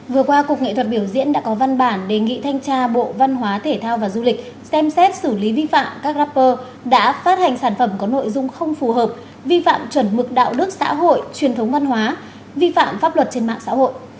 vừa qua cục nghệ thuật biểu diễn đã có văn bản đề nghị thanh tra bộ văn hóa thể thao và du lịch xem xét xử lý vi phạm các rapper đã phát hành sản phẩm có nội dung không phù hợp vi phạm chuẩn mực đạo đức xã hội truyền thống văn hóa vi phạm pháp luật trên mạng xã hội